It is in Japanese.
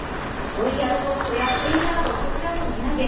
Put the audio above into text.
ロイヤルホストやてんやなどこちらも値上げ。